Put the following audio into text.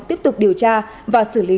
tiếp tục điều tra và xử lý